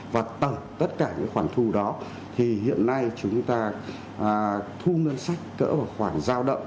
và tổng tất cả những khoản thu đó thì hiện nay chúng ta thu ngân sách cỡ vào khoản giao động